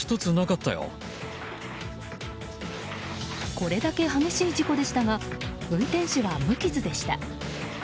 これだけ激しい事故でしたが運転手は無傷でした。